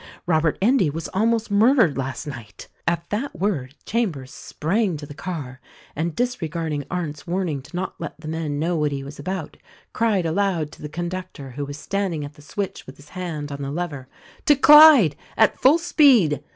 Robert Endy was almost mur dered last night." At that word Chambers sprang to the car and, disre garding Arndt's warning to not let the men know what he was about, cried aloud to the conductor who was standing at the switch with his hand on the lever, "To Clvde— at full speed."